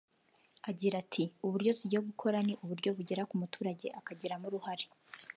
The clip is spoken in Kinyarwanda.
Agira ati “Uburyo tugiye gukora ni uburyo bugera k’umuturage akagiramo uruhare